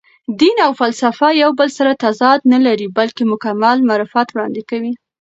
دین او فلسفه یو بل سره تضاد نه لري، بلکې مکمل معرفت وړاندې کوي.